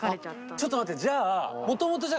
ちょっと待ってじゃあ。